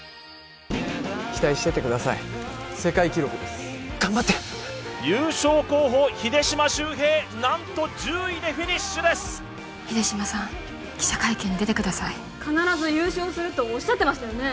期待しててください世界記録です頑張って優勝候補秀島修平何と１０位でフィニッシュです秀島さん記者会見に出てください必ず優勝するとおっしゃってましたよね？